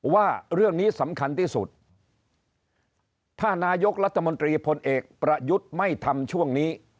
ว่าเรื่องนี้สำคัญที่สุดถ้านายกรัฐมนตรีพลเอกประยุทธ์ไม่ทำช่วงนี้